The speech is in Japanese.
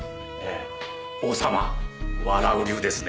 「王様笑う龍」ですね。